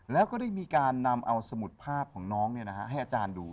แล้วก็ได้มีการนำเอาสมุดภาพของน้องให้อาจารย์ดู